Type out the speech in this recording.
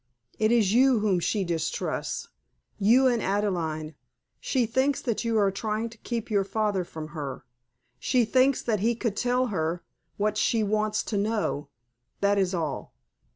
It is you whom she distrusts you and Adelaide. She thinks that you are trying to keep your father from her. She thinks that he could tell her what she wants to know. That is all."